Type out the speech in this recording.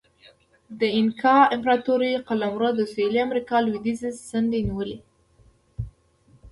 د اینکا امپراتورۍ قلمرو د سویلي امریکا لوېدیځې څنډې نیولې.